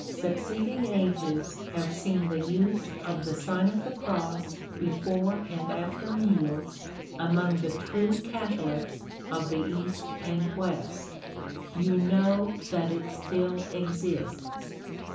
"^ Succeeding ages have seen the use of the Sign of the Cross before and after meals, among the true Catholics of the East and West; you know that it still exists.